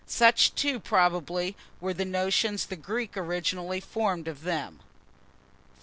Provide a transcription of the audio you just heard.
Such, too, probably, were the notions the Greeks originally formed of them. 544.